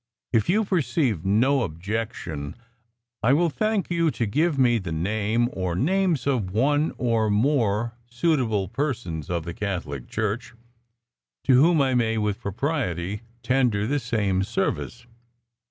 If you perceive no objection I will thank you to give me the name or names of one or more suitable persons of the Catholic Church to whom I may with propriety tender the same service.